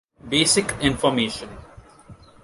Basic Information